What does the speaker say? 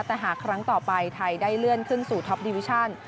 แต่หากครั้งต่อไปไทยได้เลื่อนขึ้นสู่ท็อปดิวิชั่น